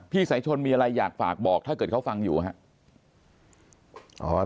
สายชนมีอะไรอยากฝากบอกถ้าเกิดเขาฟังอยู่ครับ